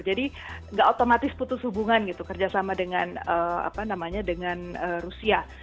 jadi nggak otomatis putus hubungan gitu kerjasama dengan rusia